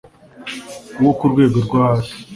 uwo ku rwego rwo hasi